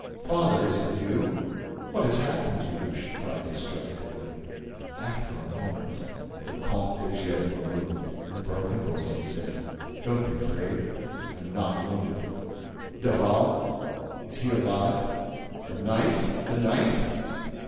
—Father!—Is it you? What has happened to you?" she cried, distractedly. After a moment, the Comte de Gesvres moved. In a broken voice, he said: "Don't be afraid—I am not wounded—Daval?—Is he alive?—The knife?—The knife?